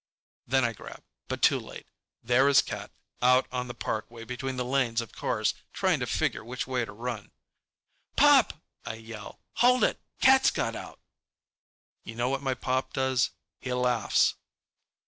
Then I grab, but too late. There is Cat, out on the parkway between the lanes of cars, trying to figure which way to run. "Pop!" I yell. "Hold it! Cat's got out!" You know what my pop does? He laughs.